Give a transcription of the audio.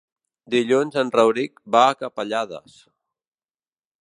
Dilluns en Rauric va a Capellades.